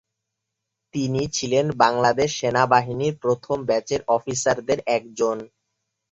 তিনি ছিলেন বাংলাদেশ সেনাবাহিনীর প্রথম ব্যাচের অফিসারদের একজন।